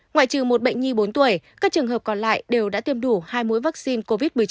ngoại trừ một bệnh nhi bốn tuổi các trường hợp còn lại đều đã tiêm đủ hai mũi vaccine covid một mươi chín